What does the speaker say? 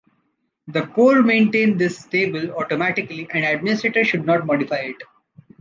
The core maintain this table automatically and administrators should not modify it.